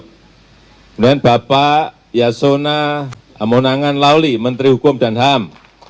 kemudian bapak yasona amonangan lauli menteri hukum dan ham